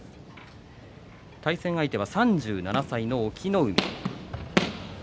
対戦相手は３７歳の隠岐の海。